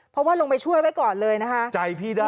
เพราะว่าลงไปช่วยไว้ก่อนเลยนะคะ